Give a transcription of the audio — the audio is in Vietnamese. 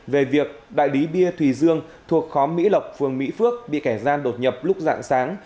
về việc đại lý bia thùy dương thuộc khóm mỹ lộc phường mỹ phước bị kẻ gian đột nhập lúc dạng sáng